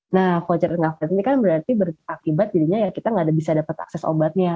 nah vouchernya nggak valid ini kan berarti berakibat jadinya kita nggak bisa dapat akses obatnya